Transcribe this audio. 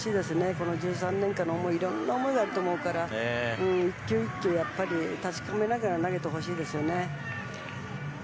この１３年間の思いいろんな思いあると思うから１球１球、確かめながら投げてほしいですよね。